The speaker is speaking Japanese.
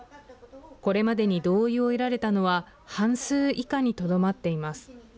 これまでに同意を得られたのは半数以下にとどまっています。